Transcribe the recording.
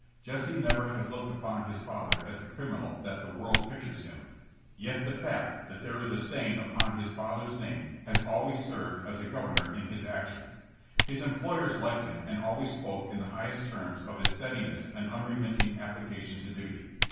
Jessie never has looked upon his father as the criminal that the world pictures him, yet the fact that there is a stain upon his father's name has always served as a governor in his actions. His em ployers liked him and always spoke in the highest terms of his steadiness and unremitting application to duty.